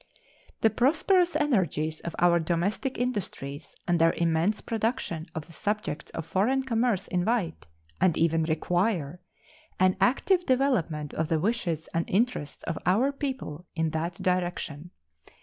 The prosperous energies of our domestic industries and their immense production of the subjects of foreign commerce invite, and even require, an active development of the wishes and interests of our people in that direction.